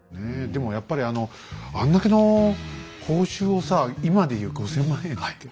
でもやっぱりあのあんだけの報酬をさ今で言う５，０００万円だっけ